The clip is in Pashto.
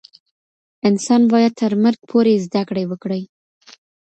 انسان باید تر مرګ پورې زده کړه وکړي.